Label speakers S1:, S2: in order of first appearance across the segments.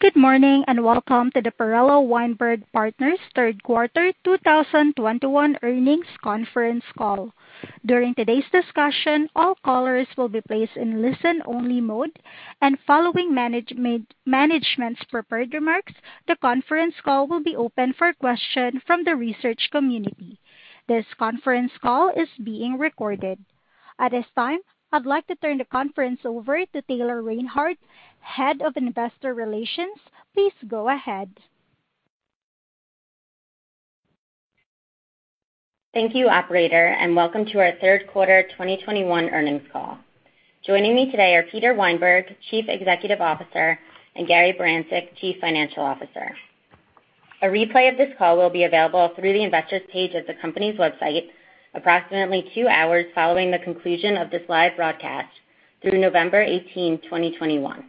S1: Good morning, and welcome to the Perella Weinberg Partners Third Quarter 2021 Earnings Conference Call. During today's discussion, all callers will be placed in listen-only mode, and following management's prepared remarks, the conference call will be open for questions from the research community. This conference call is being recorded. At this time, I'd like to turn the conference over to Taylor Reinhardt, Head of Investor Relations. Please go ahead.
S2: Thank you, operator, and welcome to our third quarter 2021 earnings call. Joining me today are Peter Weinberg, Chief Executive Officer, and Gary Barancik, Chief Financial Officer. A replay of this call will be available through the investors page of the company's website approximately two hours following the conclusion of this live broadcast through November 18, 2021.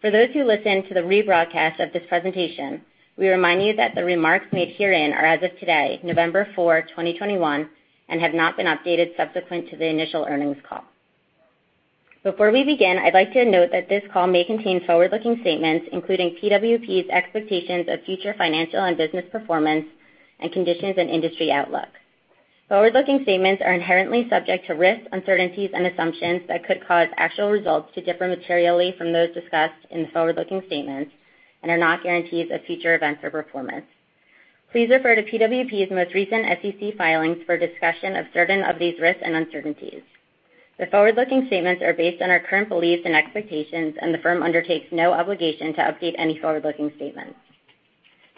S2: For those who listen to the rebroadcast of this presentation, we remind you that the remarks made herein are as of today, November 4, 2021, and have not been updated subsequent to the initial earnings call. Before we begin, I'd like to note that this call may contain forward-looking statements, including PWP's expectations of future financial and business performance and conditions and industry outlook. Forward-looking statements are inherently subject to risks, uncertainties, and assumptions that could cause actual results to differ materially from those discussed in the forward-looking statements and are not guarantees of future events or performance. Please refer to PWP's most recent SEC filings for a discussion of certain of these risks and uncertainties. The forward-looking statements are based on our current beliefs and expectations, and the firm undertakes no obligation to update any forward-looking statements.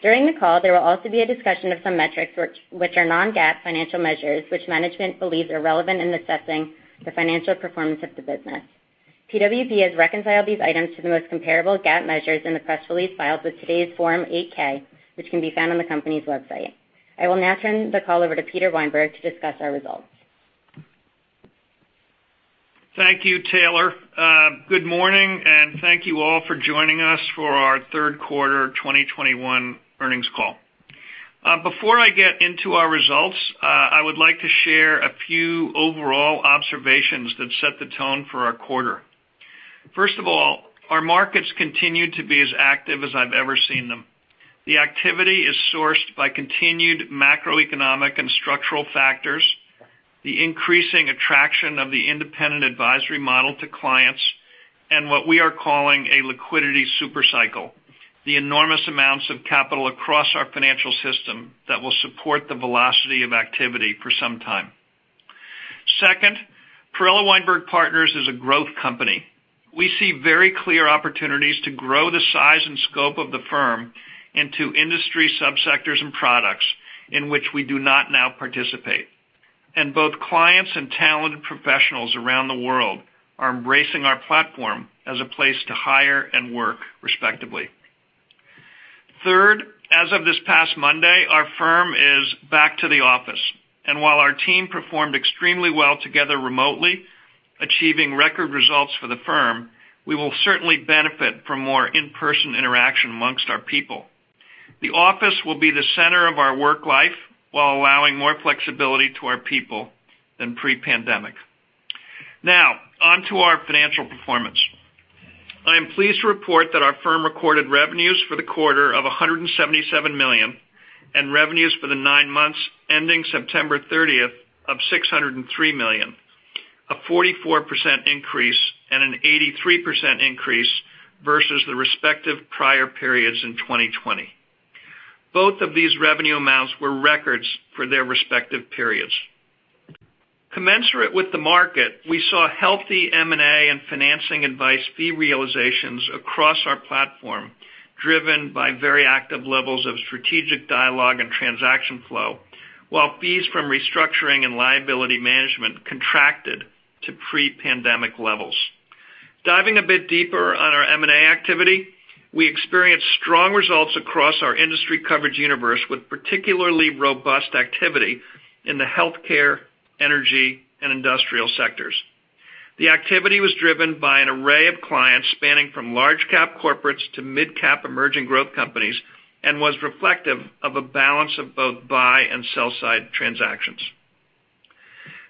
S2: During the call, there will also be a discussion of some metrics which are non-GAAP financial measures which management believes are relevant in assessing the financial performance of the business. PWP has reconciled these items to the most comparable GAAP measures in the press release filed with today's Form 8-K, which can be found on the company's website. I will now turn the call over to Peter Weinberg to discuss our results.
S3: Thank you, Taylor. Good morning, and thank you all for joining us for our third quarter 2021 earnings call. Before I get into our results, I would like to share a few overall observations that set the tone for our quarter. First of all, our markets continue to be as active as I've ever seen them. The activity is sourced by continued macroeconomic and structural factors, the increasing attraction of the independent advisory model to clients, and what we are calling a liquidity super cycle, the enormous amounts of capital across our financial system that will support the velocity of activity for some time. Second, Perella Weinberg Partners is a growth company. We see very clear opportunities to grow the size and scope of the firm into industry sub-sectors and products in which we do not now participate, and both clients and talented professionals around the world are embracing our platform as a place to hire and work, respectively. Third, as of this past Monday, our firm is back to the office, and while our team performed extremely well together remotely, achieving record results for the firm, we will certainly benefit from more in-person interaction among our people. The office will be the center of our work life while allowing more flexibility to our people than pre-pandemic. Now on to our financial performance. I am pleased to report that our firm recorded revenues for the quarter of $177 million and revenues for the nine months ending September 30 of $603 million, a 44% increase and an 83% increase versus the respective prior periods in 2020. Both of these revenue amounts were records for their respective periods. Commensurate with the market, we saw healthy M&A and financing advice fee realizations across our platform, driven by very active levels of strategic dialogue and transaction flow, while fees from restructuring and liability management contracted to pre-pandemic levels. Diving a bit deeper on our M&A activity, we experienced strong results across our industry coverage universe, with particularly robust activity in the healthcare, energy, and industrial sectors. The activity was driven by an array of clients spanning from large cap corporates to midcap emerging growth companies and was reflective of a balance of both buy and sell side transactions.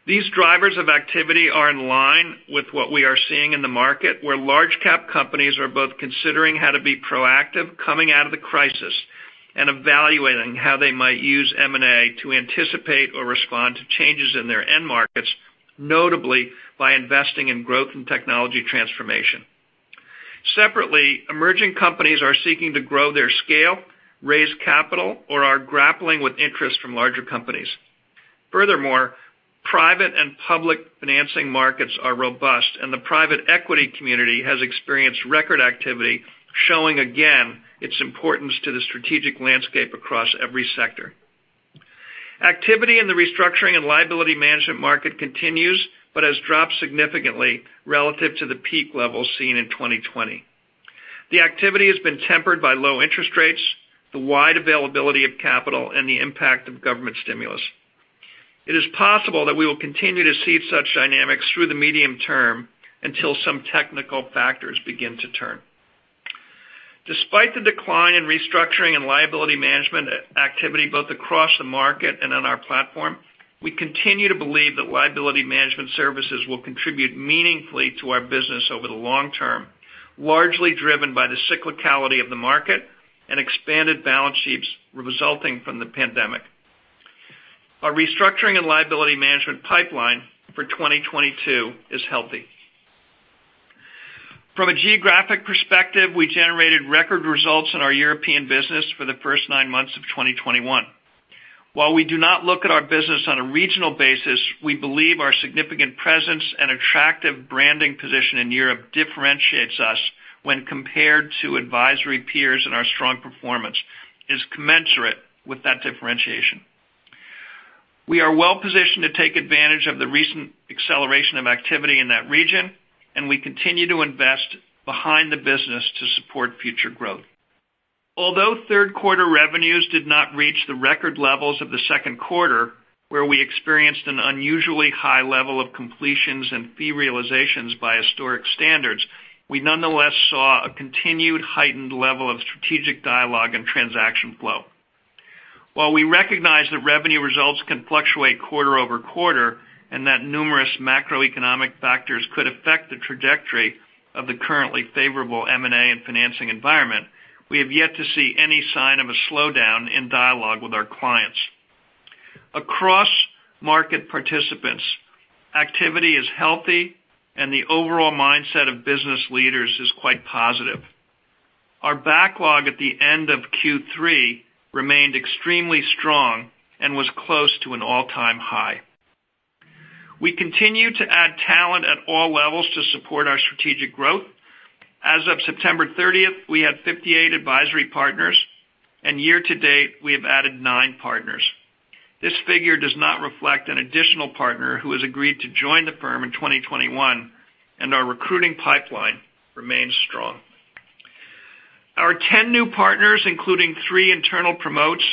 S3: These drivers of activity are in line with what we are seeing in the market, where large cap companies are both considering how to be proactive coming out of the crisis and evaluating how they might use M&A to anticipate or respond to changes in their end markets, notably by investing in growth and technology transformation. Separately, emerging companies are seeking to grow their scale, raise capital, or are grappling with interest from larger companies. Furthermore, private and public financing markets are robust, and the private equity community has experienced record activity, showing again its importance to the strategic landscape across every sector. Activity in the restructuring and liability management market continues but has dropped significantly relative to the peak levels seen in 2020. The activity has been tempered by low interest rates, the wide availability of capital, and the impact of government stimulus. It is possible that we will continue to see such dynamics through the medium term until some technical factors begin to turn. Despite the decline in restructuring and liability management activity, both across the market and on our platform. We continue to believe that liability management services will contribute meaningfully to our business over the long term, largely driven by the cyclicality of the market and expanded balance sheets resulting from the pandemic. Our restructuring and liability management pipeline for 2022 is healthy. From a geographic perspective, we generated record results in our European business for the first nine months of 2021. While we do not look at our business on a regional basis, we believe our significant presence and attractive branding position in Europe differentiates us when compared to advisory peers, and our strong performance is commensurate with that differentiation. We are well-positioned to take advantage of the recent acceleration of activity in that region, and we continue to invest behind the business to support future growth. Although third quarter revenues did not reach the record levels of the second quarter, where we experienced an unusually high level of completions and fee realizations by historic standards, we nonetheless saw a continued heightened level of strategic dialogue and transaction flow. While we recognize that revenue results can fluctuate quarter over quarter and that numerous macroeconomic factors could affect the trajectory of the currently favorable M&A and financing environment, we have yet to see any sign of a slowdown in dialogue with our clients. Across market participants, activity is healthy and the overall mindset of business leaders is quite positive. Our backlog at the end of Q3 remained extremely strong and was close to an all-time high. We continue to add talent at all levels to support our strategic growth. As of September 30, we had 58 advisory partners, and year to date, we have added nine partners. This figure does not reflect an additional partner who has agreed to join the firm in 2021, and our recruiting pipeline remains strong. Our 10 new partners, including three internal promotes,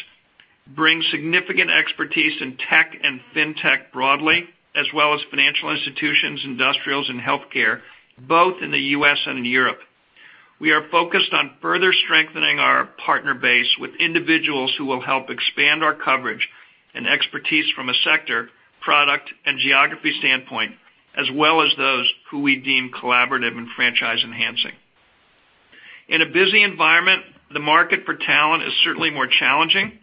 S3: bring significant expertise in tech and fintech broadly, as well as financial institutions, industrials and healthcare, both in the U.S. and in Europe. We are focused on further strengthening our partner base with individuals who will help expand our coverage and expertise from a sector, product and geography standpoint, as well as those who we deem collaborative and franchise-enhancing. In a busy environment, the market for talent is certainly more challenging.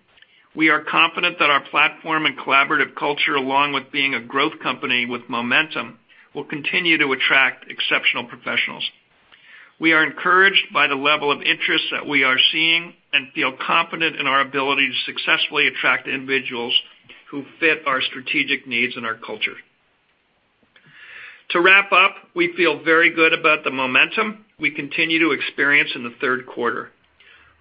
S3: We are confident that our platform and collaborative culture, along with being a growth company with momentum, will continue to attract exceptional professionals. We are encouraged by the level of interest that we are seeing and feel confident in our ability to successfully attract individuals who fit our strategic needs and our culture. To wrap up, we feel very good about the momentum we continue to experience in the third quarter.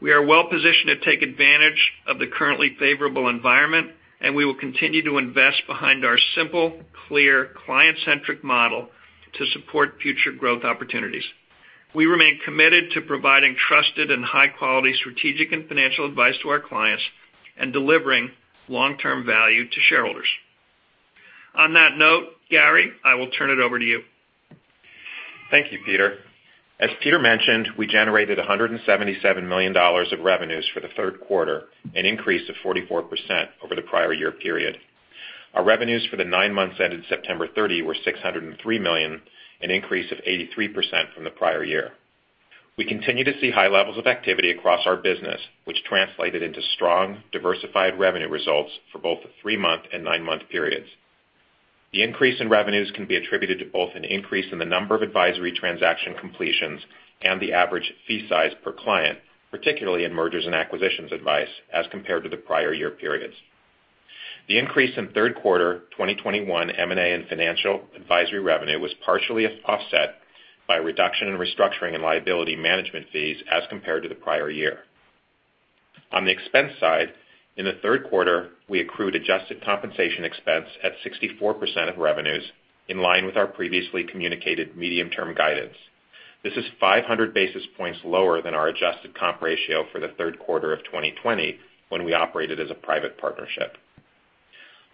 S3: We are well positioned to take advantage of the currently favorable environment, and we will continue to invest behind our simple, clear, client-centric model to support future growth opportunities. We remain committed to providing trusted and high-quality strategic and financial advice to our clients and delivering long-term value to shareholders. On that note, Gary, I will turn it over to you.
S4: Thank you, Peter. As Peter mentioned, we generated $177 million of revenues for the third quarter, an increase of 44% over the prior year period. Our revenues for the nine months ended September 30 were $603 million, an increase of 83% from the prior year. We continue to see high levels of activity across our business, which translated into strong diversified revenue results for both the three-month and nine-month periods. The increase in revenues can be attributed to both an increase in the number of advisory transaction completions and the average fee size per client, particularly in mergers and acquisitions advice as compared to the prior year periods. The increase in third quarter 2021 M&A and financial advisory revenue was partially offset by a reduction in restructuring and liability management fees as compared to the prior year. On the expense side, in the third quarter, we accrued adjusted compensation expense at 64% of revenues, in line with our previously communicated medium-term guidance. This is 500 basis points lower than our adjusted comp ratio for the third quarter of 2020 when we operated as a private partnership.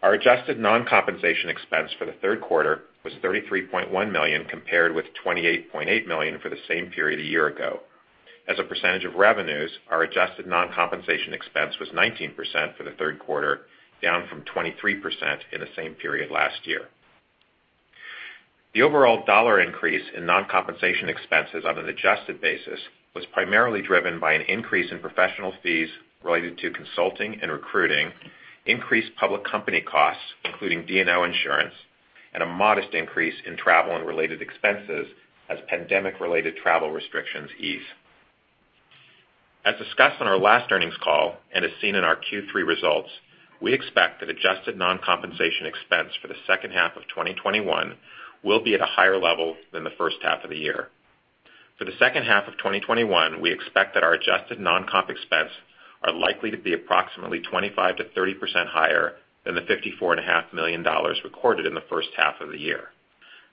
S4: Our adjusted non-compensation expense for the third quarter was $33.1 million, compared with $28.8 million for the same period a year ago. As a percentage of revenues, our adjusted non-compensation expense was 19% for the third quarter, down from 23% in the same period last year. The overall dollar increase in non-compensation expenses on an adjusted basis was primarily driven by an increase in professional fees related to consulting and recruiting, increased public company costs, including D&O insurance, and a modest increase in travel and related expenses as pandemic-related travel restrictions ease. As discussed on our last earnings call and as seen in our Q3 results, we expect that adjusted non-compensation expense for the second half of 2021 will be at a higher level than the first half of the year. For the second half of 2021, we expect that our adjusted non-comp expense are likely to be approximately 25%-30% higher than the $54.5 million recorded in the first half of the year.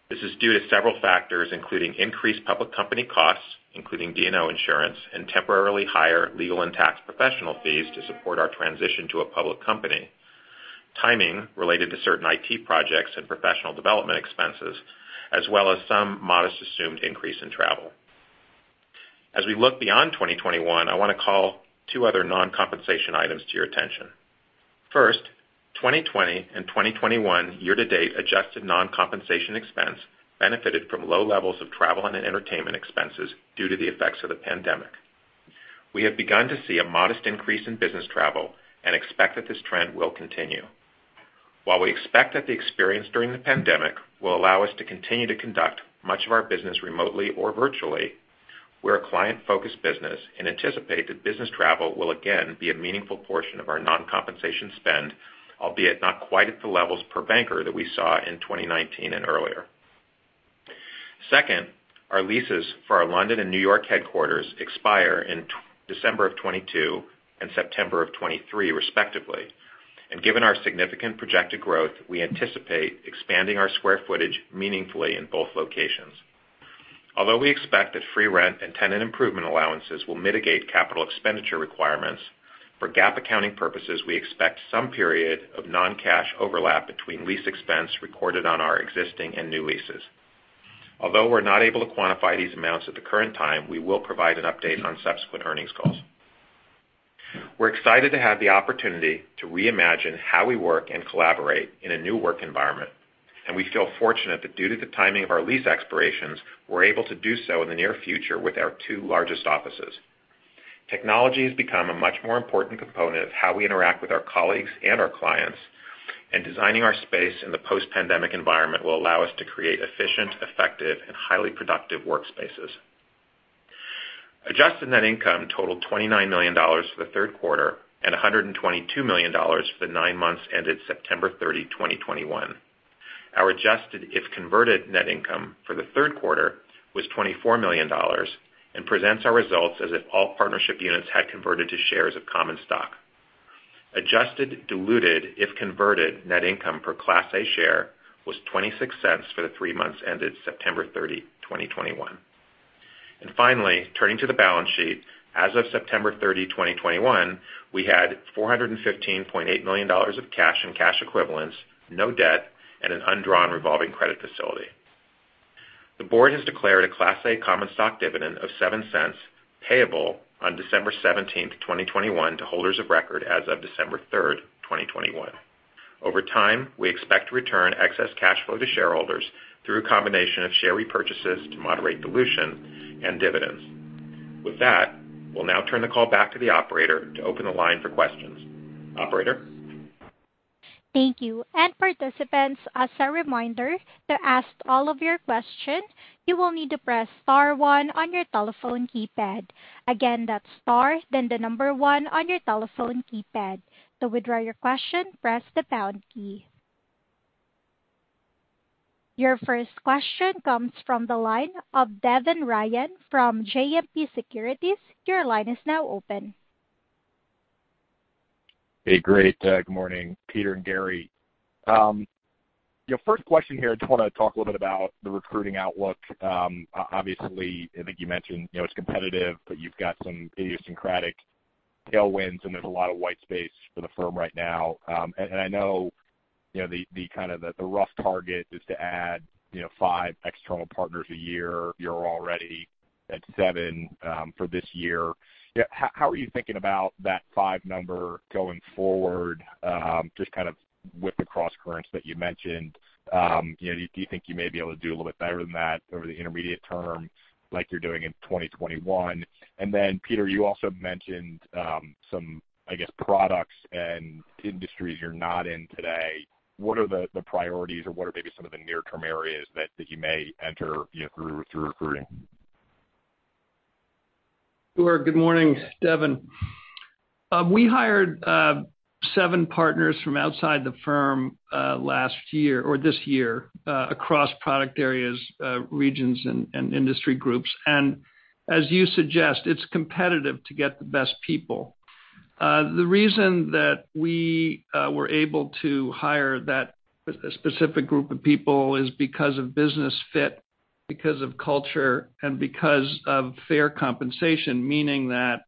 S4: This is due to several factors, including increased public company costs, including D&O insurance and temporarily higher legal and tax professional fees to support our transition to a public company, timing related to certain IT projects and professional development expenses, as well as some modest assumed increase in travel. As we look beyond 2021, I want to call two other non-compensation items to your attention. First, 2020 and 2021 year to date adjusted non-compensation expense benefited from low levels of travel and entertainment expenses due to the effects of the pandemic. We have begun to see a modest increase in business travel and expect that this trend will continue. While we expect that the experience during the pandemic will allow us to continue to conduct much of our business remotely or virtually, we're a client-focused business and anticipate that business travel will again be a meaningful portion of our non-compensation spend, albeit not quite at the levels per banker that we saw in 2019 and earlier. Second, our leases for our London and New York headquarters expire in December of 2022 and September of 2023 respectively, and given our significant projected growth, we anticipate expanding our square footage meaningfully in both locations. Although we expect that free rent and tenant improvement allowances will mitigate capital expenditure requirements, for GAAP accounting purposes, we expect some period of non-cash overlap between lease expense recorded on our existing and new leases. Although we're not able to quantify these amounts at the current time, we will provide an update on subsequent earnings calls. We're excited to have the opportunity to reimagine how we work and collaborate in a new work environment, and we feel fortunate that due to the timing of our lease expirations, we're able to do so in the near future with our two largest offices. Technology has become a much more important component of how we interact with our colleagues and our clients, and designing our space in the post-pandemic environment will allow us to create efficient, effective, and highly productive workspaces. Adjusted net income totaled $29 million for the third quarter and $122 million for the nine months ended September 30, 2021. Our adjusted, if converted, net income for the third quarter was $24 million and presents our results as if all partnership units had converted to shares of common stock. Adjusted, diluted, if converted, net income per class A share was $0.26 for the three months ended September 30, 2021. Finally, turning to the balance sheet. As of September 30, 2021, we had $415.8 million of cash and cash equivalents, no debt, and an undrawn revolving credit facility. The board has declared a class A common stock dividend of $0.07 payable on December 17, 2021, to holders of record as of December 3, 2021. Over time, we expect to return excess cash flow to shareholders through a combination of share repurchases to moderate dilution and dividends. With that, we'll now turn the call back to the operator to open the line for questions. Operator?
S1: Thank you. Participants, as a reminder, to ask all of your questions, you will need to press star one on your telephone keypad. Again, that's star, then the number one on your telephone keypad. To withdraw your question, press the pound key. Your first question comes from the line of Devin Ryan from JMP Securities. Your line is now open.
S5: Hey, great. Good morning, Peter and Gary. Yeah, first question here, just wanna talk a little bit about the recruiting outlook. Obviously, I think you mentioned, you know, it's competitive, but you've got some idiosyncratic tailwinds, and there's a lot of white space for the firm right now. I know, you know, the kind of rough target is to add, you know, five external partners a year. You're already at seven for this year. Yeah, how are you thinking about that five number going forward, just kind of with the crosscurrents that you mentioned? You know, do you think you may be able to do a little bit better than that over the intermediate term, like you're doing in 2021? Peter, you also mentioned some, I guess, products and industries you're not in today. What are the priorities or what are maybe some of the near-term areas that you may enter, you know, through recruiting?
S3: Sure. Good morning, Devin. We hired seven partners from outside the firm last year or this year across product areas, regions and industry groups. As you suggest, it's competitive to get the best people. The reason that we were able to hire that specific group of people is because of business fit, because of culture, and because of fair compensation. Meaning that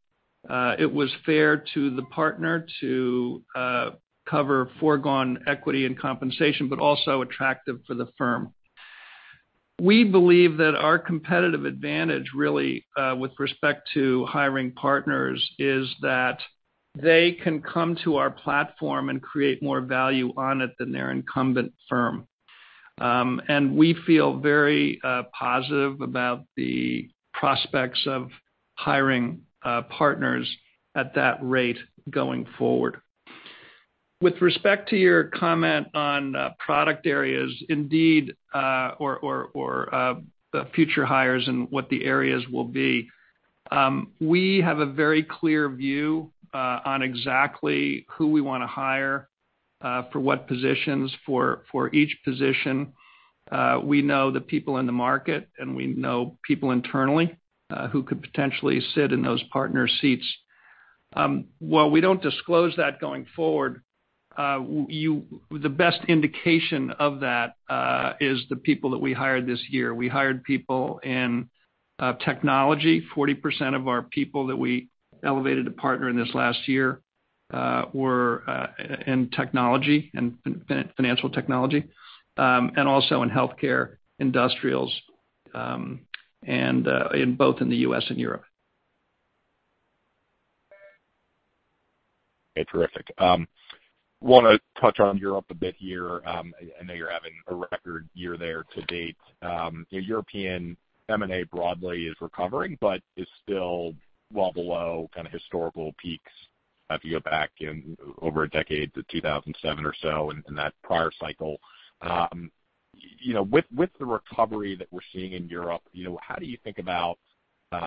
S3: it was fair to the partner to cover foregone equity and compensation, but also attractive for the firm. We believe that our competitive advantage really with respect to hiring partners is that they can come to our platform and create more value on it than their incumbent firm. We feel very positive about the prospects of hiring partners at that rate going forward. With respect to your comment on product areas, indeed, future hires and what the areas will be, we have a very clear view on exactly who we wanna hire for what positions. For each position, we know the people in the market, and we know people internally who could potentially sit in those partner seats. While we don't disclose that going forward, the best indication of that is the people that we hired this year. We hired people in technology. 40% of our people that we elevated to partner in this last year In technology and financial technology, and also in healthcare, industrials, and in both the U.S. and Europe.
S5: Okay, terrific. Wanna touch on Europe a bit here. I know you're having a record year there to date. European M&A broadly is recovering but is still well below kinda historical peaks if you go back in over a decade to 2007 or so in that prior cycle. You know, with the recovery that we're seeing in Europe, you know, how do you think about, you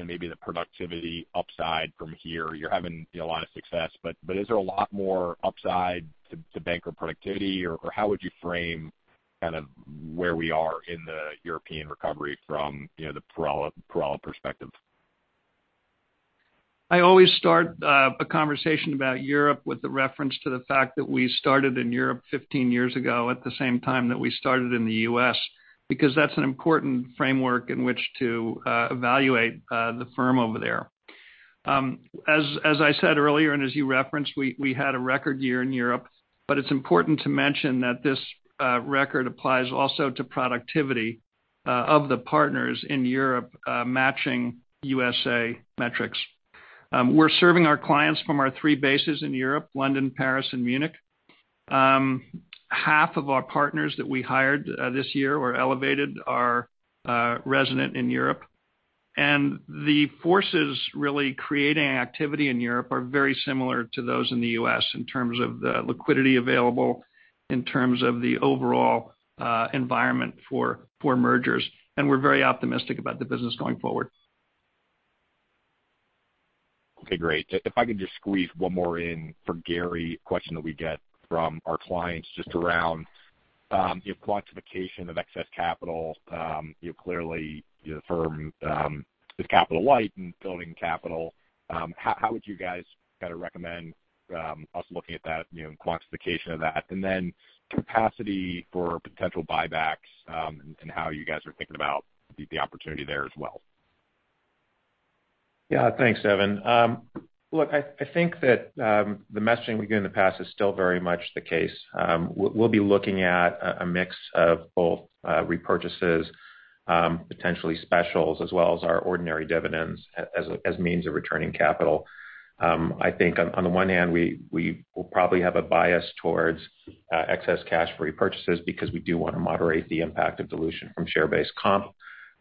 S5: know, maybe the productivity upside from here? You're having a lot of success, but is there a lot more upside to banking productivity? Or how would you frame kind of where we are in the European recovery from, you know, the Perella perspective?
S3: I always start a conversation about Europe with the reference to the fact that we started in Europe 15 years ago at the same time that we started in the U.S., because that's an important framework in which to evaluate the firm over there. As I said earlier, and as you referenced, we had a record year in Europe, but it's important to mention that this record applies also to productivity of the partners in Europe, matching U.S. metrics. We're serving our clients from our three bases in Europe, London, Paris, and Munich. Half of our partners that we hired this year or elevated are resident in Europe. The forces really creating activity in Europe are very similar to those in the U.S. in terms of the liquidity available, in terms of the overall environment for mergers. We're very optimistic about the business going forward.
S5: Okay, great. If I could just squeeze one more in for Gary. A question that we get from our clients just around, you know, quantification of excess capital. You know, clearly your firm is capital light and building capital. How would you guys kinda recommend us looking at that, you know, quantification of that? Capacity for potential buybacks, and how you guys are thinking about the opportunity there as well.
S4: Yeah. Thanks, Devin. Look, I think that the messaging we gave in the past is still very much the case. We'll be looking at a mix of both repurchases potentially specials, as well as our ordinary dividends as means of returning capital. I think on the one hand, we will probably have a bias towards excess cash repurchases because we do wanna moderate the impact of dilution from share-based comp.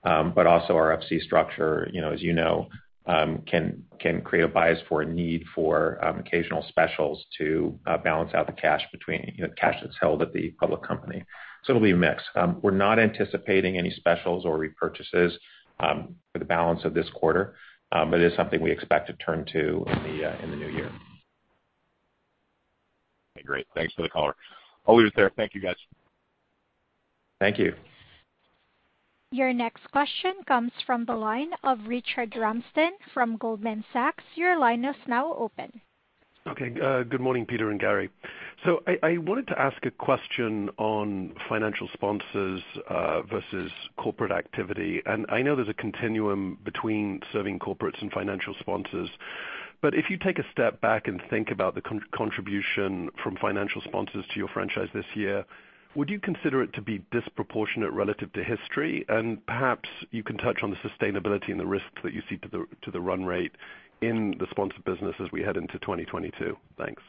S4: But also our Up-C structure, you know, as you know, can create a bias for a need for occasional specials to balance out the cash between cash that's held at the public company. So it'll be a mix. We're not anticipating any specials or repurchases for the balance of this quarter, but it is something we expect to turn to in the new year.
S5: Okay, great. Thanks for the color. I'll leave it there. Thank you guys.
S4: Thank you.
S1: Your next question comes from the line of Richard Ramsden from Goldman Sachs. Your line is now open.
S6: Okay. Good morning, Peter and Gary. I wanted to ask a question on financial sponsors versus corporate activity. I know there's a continuum between serving corporates and financial sponsors. If you take a step back and think about the contribution from financial sponsors to your franchise this year, would you consider it to be disproportionate relative to history? Perhaps you can touch on the sustainability and the risks that you see to the run rate in the sponsor business as we head into 2022. Thanks.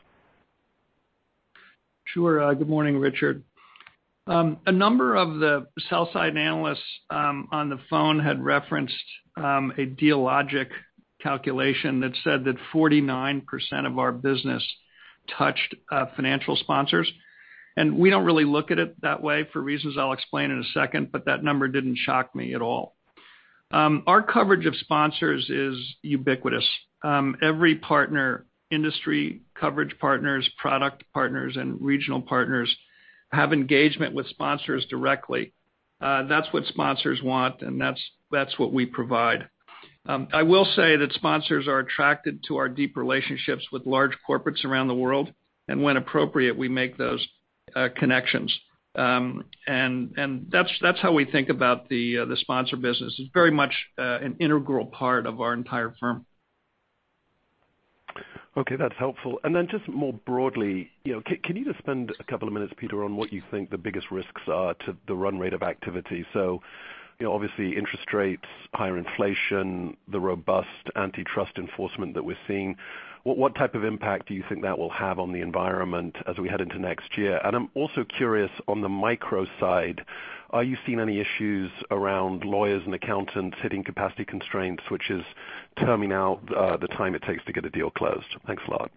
S3: Sure. Good morning, Richard. A number of the sell side analysts on the phone had referenced a Dealogic calculation that said that 49% of our business touched financial sponsors. We don't really look at it that way for reasons I'll explain in a second, but that number didn't shock me at all. Our coverage of sponsors is ubiquitous. Every partner, industry coverage partners, product partners, and regional partners have engagement with sponsors directly. That's what sponsors want, and that's what we provide. I will say that sponsors are attracted to our deep relationships with large corporates around the world. When appropriate, we make those connections. That's how we think about the sponsor business. It's very much an integral part of our entire firm.
S6: Okay, that's helpful. Then just more broadly, you know, can you just spend a couple of minutes, Peter, on what you think the biggest risks are to the run rate of activity? You know, obviously, interest rates, higher inflation, the robust antitrust enforcement that we're seeing. What type of impact do you think that will have on the environment as we head into next year? I'm also curious on the micro side, are you seeing any issues around lawyers and accountants hitting capacity constraints, which is terming out the time it takes to get a deal closed? Thanks a lot.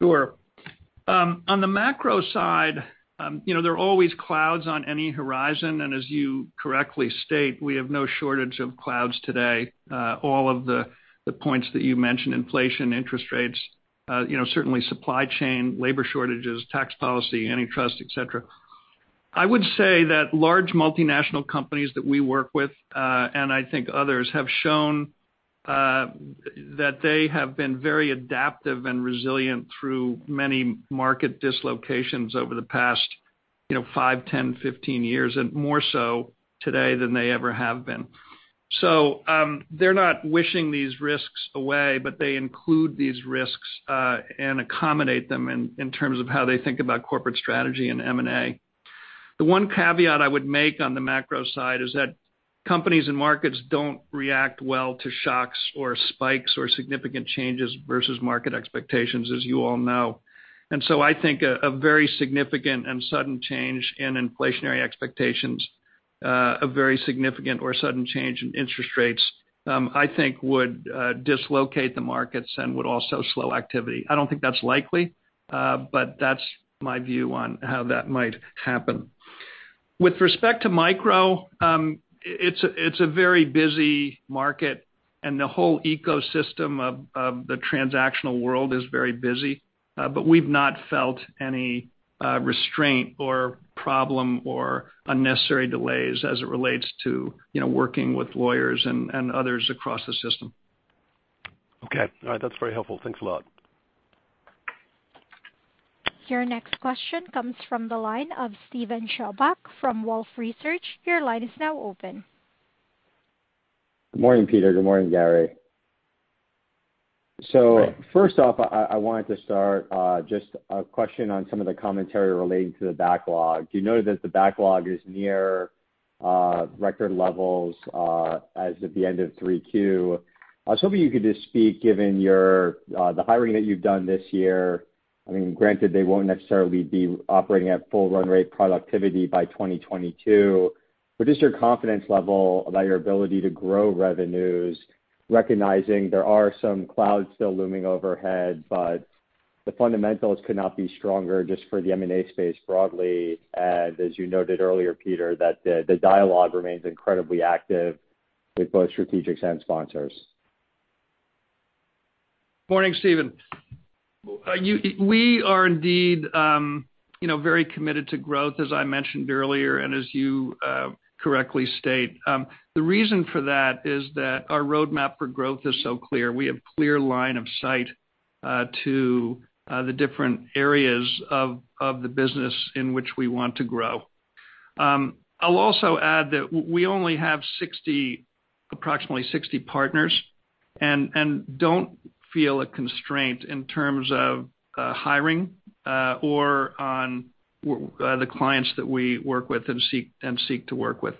S3: Sure. On the macro side, you know, there are always clouds on any horizon, and as you correctly state, we have no shortage of clouds today. All of the points that you mentioned, inflation, interest rates, you know, certainly supply chain, labor shortages, tax policy, antitrust, et cetera. I would say that large multinational companies that we work with, and I think others have shown, that they have been very adaptive and resilient through many market dislocations over the past, you know, five, 10, 15 years, and more so today than they ever have been. They're not wishing these risks away, but they include these risks, and accommodate them in terms of how they think about corporate strategy and M&A. The one caveat I would make on the macro side is that companies and markets don't react well to shocks or spikes or significant changes versus market expectations, as you all know. I think a very significant and sudden change in inflationary expectations, a very significant or sudden change in interest rates, I think would dislocate the markets and would also slow activity. I don't think that's likely, but that's my view on how that might happen. With respect to micro, it's a very busy market and the whole ecosystem of the transactional world is very busy. But we've not felt any restraint or problem or unnecessary delays as it relates to, you know, working with lawyers and others across the system.
S6: Okay. All right. That's very helpful. Thanks a lot.
S1: Your next question comes from the line of Steven Chubak from Wolfe Research. Your line is now open.
S7: Good morning, Peter. Good morning, Gary. First off, I wanted to start just a question on some of the commentary relating to the backlog. You noted that the backlog is near record levels as of the end of Q3. I was hoping you could just speak, given the hiring that you've done this year. I mean, granted they won't necessarily be operating at full run rate productivity by 2022. But just your confidence level about your ability to grow revenues, recognizing there are some clouds still looming overhead, but the fundamentals could not be stronger just for the M&A space broadly. As you noted earlier, Peter, that the dialogue remains incredibly active with both strategics and sponsors.
S3: Morning, Steven. We are indeed, you know, very committed to growth, as I mentioned earlier, and as you correctly state. The reason for that is that our roadmap for growth is so clear. We have clear line of sight to the different areas of the business in which we want to grow. I'll also add that we only have approximately 60 partners and don't feel a constraint in terms of hiring or on the clients that we work with and seek to work with.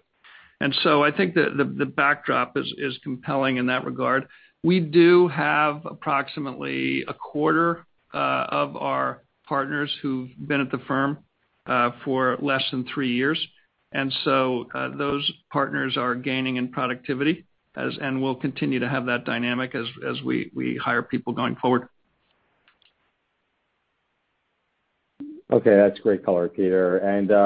S3: I think the backdrop is compelling in that regard. We do have approximately a quarter of our partners who've been at the firm for less than three years. Those partners are gaining in productivity and we'll continue to have that dynamic as we hire people going forward.
S7: Okay. That's great color, Peter.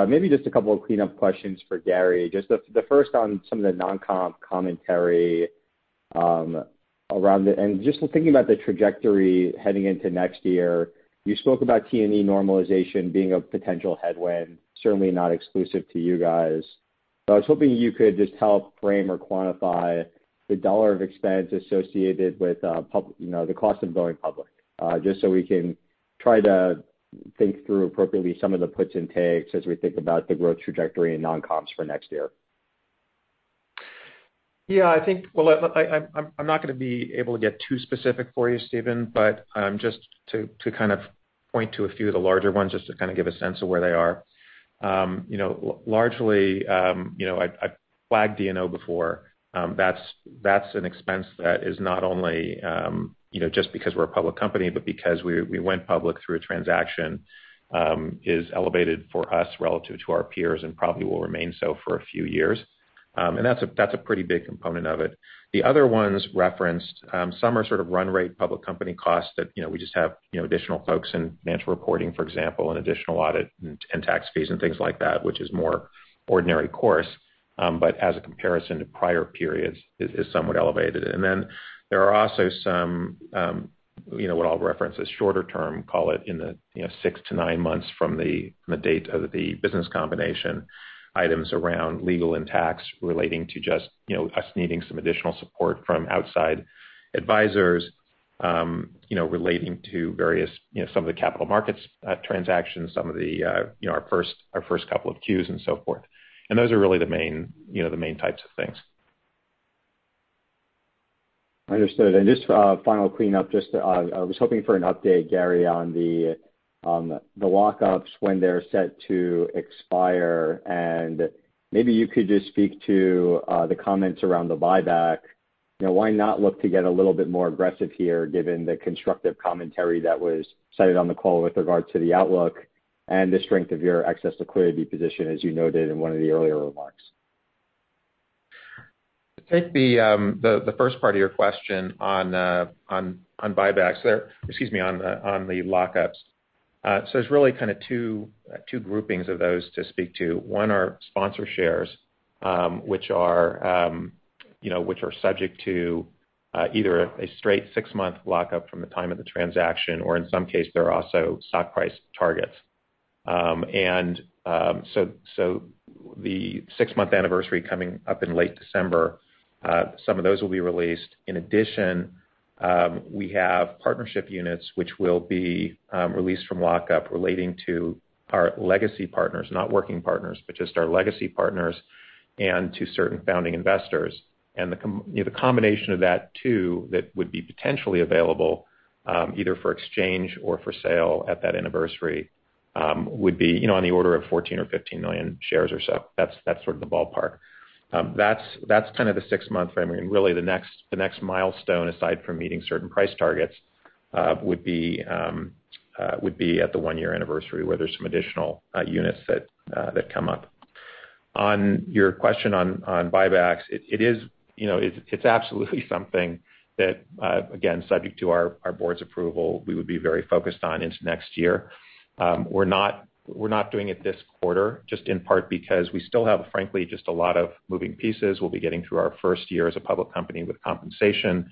S7: Maybe just a couple of cleanup questions for Gary. Just the first on some of the non-comp commentary around it. Just thinking about the trajectory heading into next year, you spoke about T&E normalization being a potential headwind, certainly not exclusive to you guys. I was hoping you could just help frame or quantify the dollar of expense associated with you know, the cost of going public, just so we can try to think through appropriately some of the puts and takes as we think about the growth trajectory in non-comps for next year.
S4: Yeah, well, I'm not gonna be able to get too specific for you, Steven, but just to kind of point to a few of the larger ones, just to kind of give a sense of where they are. You know, largely, you know, I flagged D&O before. That's an expense that is not only, you know, just because we're a public company, but because we went public through a transaction, is elevated for us relative to our peers and probably will remain so for a few years. And that's a pretty big component of it. The other ones referenced, some are sort of run rate public company costs that, you know, we just have, you know, additional folks in financial reporting, for example, and additional audit and tax fees and things like that, which is more ordinary course, but as a comparison to prior periods is somewhat elevated. Then there are also some, you know, what I'll reference as shorter term, call it in the, you know, six to nine months from the date of the business combination items around legal and tax relating to just, you know, us needing some additional support from outside advisors, you know, relating to various, you know, some of the capital markets transactions, some of the, you know, our first couple of Qs and so forth. Those are really the main, you know, types of things.
S7: Understood. Just a final cleanup, just, I was hoping for an update, Gary, on the lockups when they're set to expire. Maybe you could just speak to the comments around the buyback. You know, why not look to get a little bit more aggressive here, given the constructive commentary that was cited on the call with regard to the outlook and the strength of your access to liquidity position, as you noted in one of the earlier remarks?
S4: To take the first part of your question on buybacks there. Excuse me, on the lockups. There's really kinda two groupings of those to speak to. One are sponsor shares, which are, you know, which are subject to either a straight six-month lockup from the time of the transaction, or in some case, there are also stock price targets. The six-month anniversary coming up in late December, some of those will be released. In addition, we have partnership units which will be released from lockup relating to our legacy partners, not working partners, but just our legacy partners and to certain founding investors. The combination of that too that would be potentially available, either for exchange or for sale at that anniversary, would be, you know, on the order of 14 or 15 million shares or so. That's sort of the ballpark. That's kind of the six-month framing. Really the next milestone aside from meeting certain price targets would be at the one-year anniversary where there's some additional units that come up. On your question on buybacks, it is, you know, it's absolutely something that, again, subject to our board's approval, we would be very focused on into next year. We're not doing it this quarter just in part because we still have, frankly, just a lot of moving pieces. We'll be getting through our first year as a public company with compensation.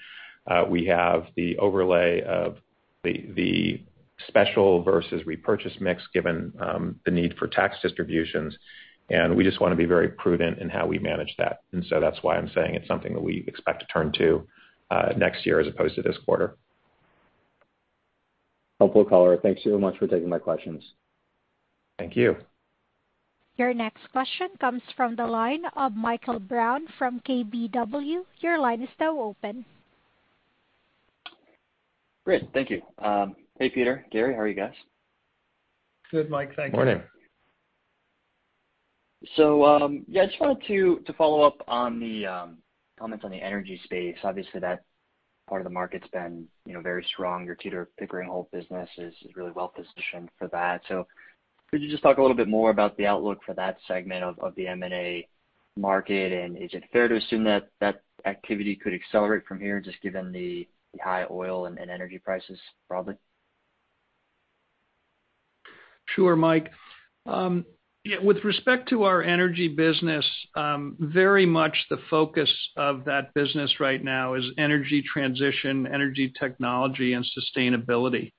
S4: We have the overlay of the special versus repurchase mix given the need for tax distributions, and we just wanna be very prudent in how we manage that. That's why I'm saying it's something that we expect to turn to next year as opposed to this quarter.
S7: Helpful color. Thank you so much for taking my questions.
S4: Thank you.
S1: Your next question comes from the line of Michael Brown from KBW. Your line is now open.
S8: Great. Thank you. Hey, Peter, Gary, how are you guys?
S3: Good, Mike. Thank you.
S4: Morning.
S8: Yeah, I just wanted to follow up on the comments on the energy space. Obviously, that part of the market's been, you know, very strong. Your Tudor, Pickering, Holt & Co. business is really well positioned for that. Could you just talk a little bit more about the outlook for that segment of the M&A market? Is it fair to assume that activity could accelerate from here just given the high oil and energy prices broadly?
S3: Sure, Mike. Yeah, with respect to our energy business, very much the focus of that business right now is energy transition, energy technology and sustainability.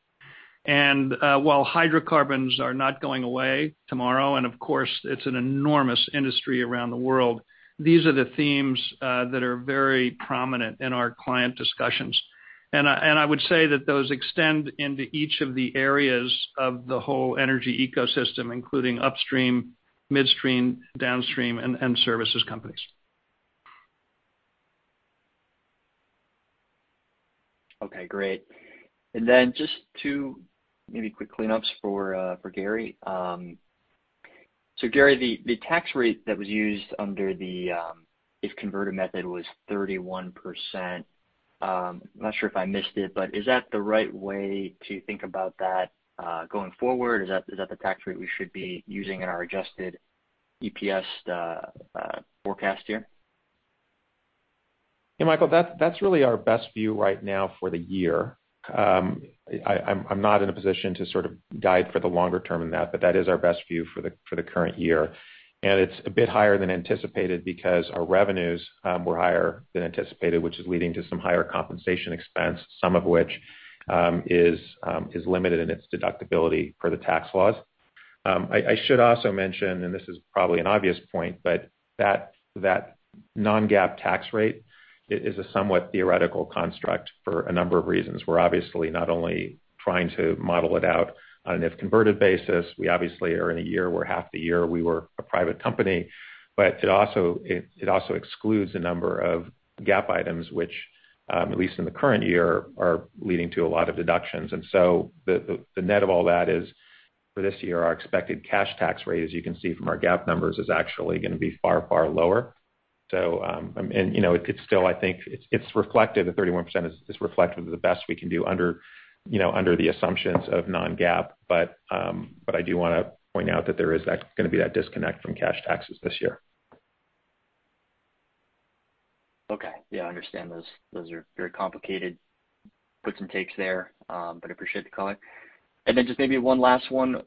S3: While hydrocarbons are not going away tomorrow, and of course it's an enormous industry around the world, these are the themes that are very prominent in our client discussions. I would say that those extend into each of the areas of the whole energy ecosystem, including upstream, midstream, downstream and services companies.
S8: Okay, great. Then just two maybe quick cleanups for Gary. Gary, the tax rate that was used under the if converted method was 31%. I'm not sure if I missed it, but is that the right way to think about that going forward? Is that the tax rate we should be using in our adjusted EPS forecast year?
S4: Yeah, Michael, that's really our best view right now for the year. I'm not in a position to sort of guide for the longer term in that, but that is our best view for the current year. It's a bit higher than anticipated because our revenues were higher than anticipated, which is leading to some higher compensation expense, some of which is limited in its deductibility per the tax laws. I should also mention, and this is probably an obvious point, but that non-GAAP tax rate is a somewhat theoretical construct for a number of reasons. We're obviously not only trying to model it out on an if converted basis. We obviously are in a year where half the year we were a private company. It also excludes a number of GAAP items which, at least in the current year, are leading to a lot of deductions. The net of all that is, for this year, our expected cash tax rate as you can see from our GAAP numbers is actually gonna be far lower. You know, it's reflected, the 31% is reflective of the best we can do under, you know, the assumptions of non-GAAP. I do wanna point out that there's gonna be that disconnect from cash taxes this year.
S8: Okay. Yeah, I understand those are very complicated puts and takes there, but appreciate the color. Just maybe one last one.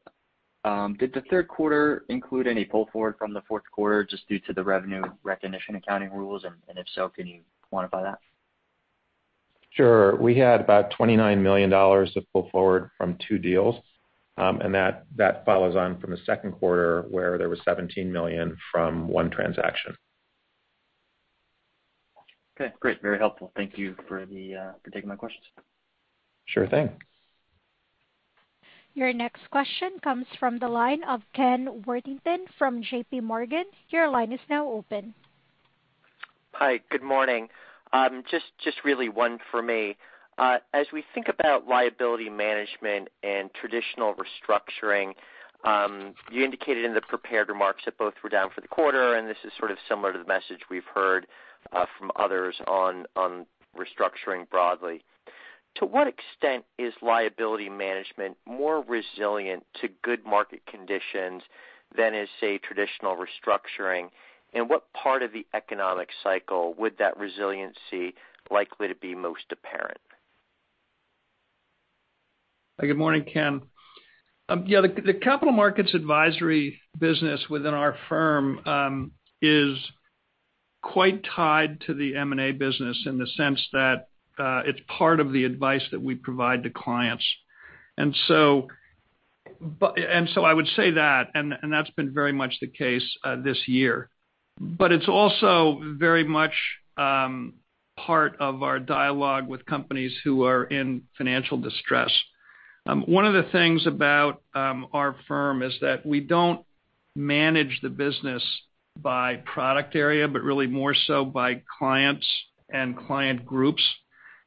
S8: Did the third quarter include any pull forward from the fourth quarter just due to the revenue recognition accounting rules? If so, can you quantify that?
S4: Sure. We had about $29 million of pull forward from two deals. That follows on from the second quarter where there was $17 million from one transaction.
S8: Okay, great. Very helpful. Thank you for taking my questions.
S4: Sure thing.
S1: Your next question comes from the line of Ken Worthington from J.P. Morgan. Your line is now open.
S9: Hi. Good morning. Just really one for me. As we think about liability management and traditional restructuring, you indicated in the prepared remarks that both were down for the quarter and this is sort of similar to the message we've heard from others on restructuring broadly. To what extent is liability management more resilient to good market conditions than is, say, traditional restructuring? What part of the economic cycle would that resiliency likely to be most apparent?
S3: Good morning, Ken. Yeah, the capital markets advisory business within our firm is quite tied to the M&A business in the sense that it's part of the advice that we provide to clients. I would say that, and that's been very much the case this year. It's also very much part of our dialogue with companies who are in financial distress. One of the things about our firm is that we don't manage the business by product area, but really more so by clients and client groups.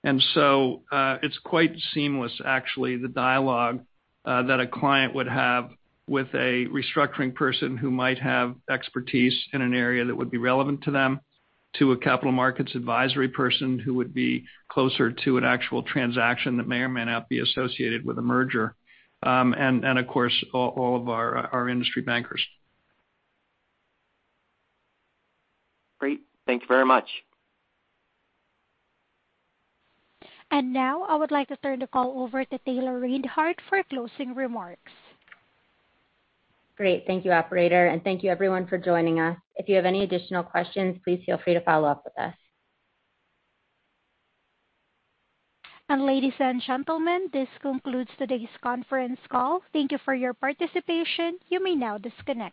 S3: It's quite seamless actually the dialogue that a client would have with a restructuring person who might have expertise in an area that would be relevant to them to a capital markets advisory person who would be closer to an actual transaction that may or may not be associated with a merger, and of course all of our industry bankers.
S9: Great. Thank you very much.
S1: Now I would like to turn the call over to Taylor Reinhardt for closing remarks.
S2: Great. Thank you, operator, and thank you everyone for joining us. If you have any additional questions, please feel free to follow up with us.
S1: Ladies and gentlemen, this concludes today's conference call. Thank you for your participation. You may now disconnect.